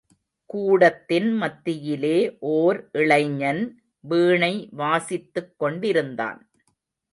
கூடத்தின் மத்தியிலே ஓர் இளைஞன் வீணை வாசித்துக் கொண்டிருந்தான்.